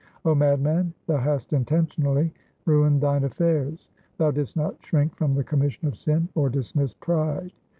O madman, thou hast intentionally ruined thine affairs ; Thou didst not shrink from the commission of sin or dismiss pride.